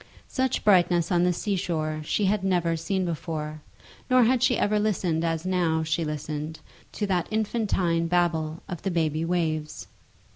Such brightness on the sea shore she had never seen before, nor had she ever listened as now she listened to that infantine babble of the baby waves.